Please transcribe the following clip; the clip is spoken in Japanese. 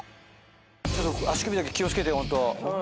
ちょっと足首だけ気を付けてホント。